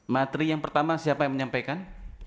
materi yang pertama siapa yang menyampaikan